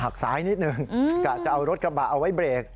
ซ้ายนิดนึงกะจะเอารถกระบะเอาไว้เบรก